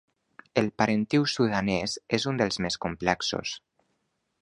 El parentiu sudanès és un dels més complexos.